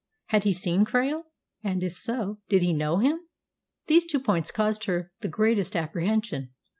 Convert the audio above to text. Had he seen Krail? And, if so, did he know him? Those two points caused her the greatest apprehension.